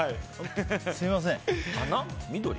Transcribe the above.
すみません。